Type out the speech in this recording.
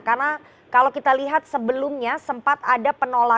karena kalau kita lihat sebelumnya sempat ada penolongan